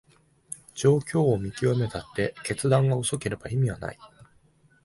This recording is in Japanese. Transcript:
状況を見極めたって決断が遅ければ意味はない